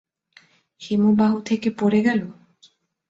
হিমবাহ থেকে পড়ে গেল?